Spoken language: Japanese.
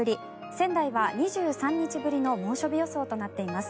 仙台は２３日ぶりの猛暑日予想となっています。